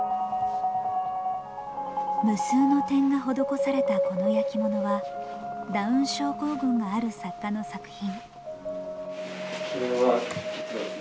無数の点が施されたこの焼き物はダウン症候群がある作家の作品。